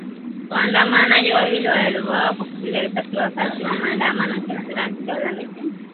Waandamanaji wawili waliuawa kwa kupigwa risasi wakati wa maandamano nchini Sudan siku ya Alhamis.